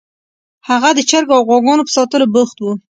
هغه د چرګو او غواګانو په ساتلو بوخت و